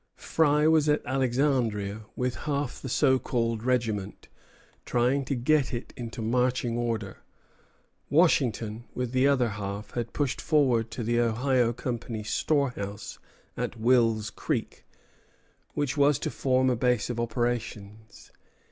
Fry was at Alexandria with half the so called regiment, trying to get it into marching order; Washington, with the other half, had pushed forward to the Ohio Company's storehouse at Wills Creek, which was to form a base of operations.